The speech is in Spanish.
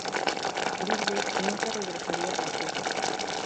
Birger nunca regresaría a Suecia.